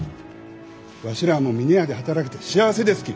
わしらあも峰屋で働けて幸せですき。